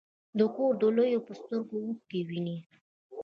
د کور د لویو په سترګو اوښکې وینې.